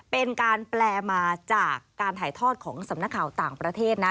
เป็นการแปลมาจากการถ่ายทอดของสำนักข่าวต่างประเทศนะ